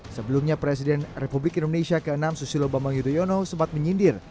sebelumnya presiden republik indonesia ke enam susilo bambang yudhoyono sempat menyindir